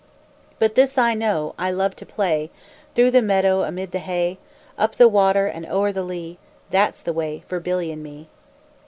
But this I know, I love to play Through the meadow, amid the hay; Up the water and o'er the lea, That's the way for Billy and me.